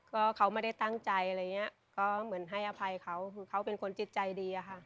ก็เขาไม่ได้ตั้งใจอะไรอย่างเงี้ยก็เหมือนให้อภัยเขาคือเขาเขาเป็นคนจิตใจดีอะค่ะ